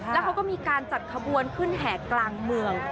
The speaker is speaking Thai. แล้วเขาก็มีการจัดขบวนขึ้นแห่กลางเมือง